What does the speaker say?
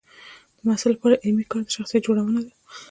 د محصل لپاره علمي کار د شخصیت جوړونه ده.